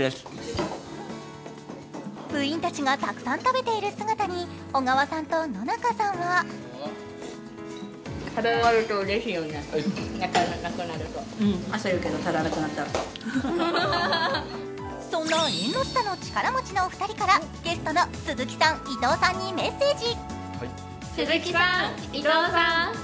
部員たちがたくさん食べている姿に小川さんと野中さんはそんな縁の下の力持ちの２人からゲストの鈴木さん、伊藤さんにメッセージ。